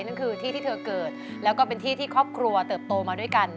นั่นคือที่ที่เธอเกิดแล้วก็เป็นที่ที่ครอบครัวเติบโตมาด้วยกัน